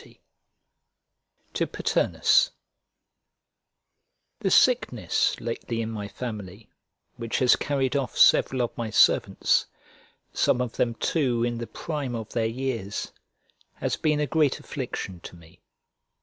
XC To PATERNUS THE sickness lately in my family, which has carried off several of my servants, some of them, too, in the prime of their years, has been a great affliction to me.